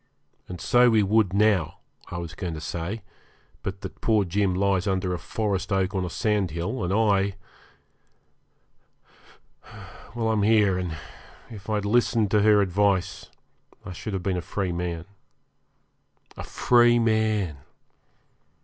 And so we would now I was going to say but that poor Jim lies under a forest oak on a sandhill, and I well, I'm here, and if I'd listened to her advice I should have been a free man. A free man!